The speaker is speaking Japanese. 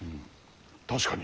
確かに。